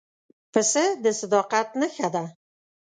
پسه د صداقت نښه ده.